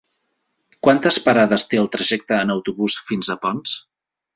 Quantes parades té el trajecte en autobús fins a Ponts?